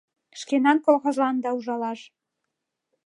Шкенан колхозлан да ужалаш!